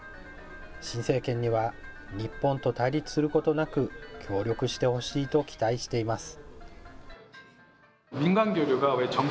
新政権には、日本と対立することなく、協力してほしいと期待しています。